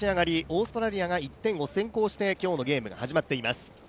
オーストラリアが１点を先行して今日のゲーム、始まっています。